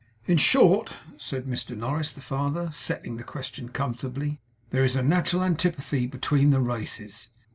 'In short,' said Mr Norris the father, settling the question comfortably, 'there is a natural antipathy between the races.